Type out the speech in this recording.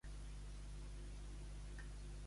Bona en fora que...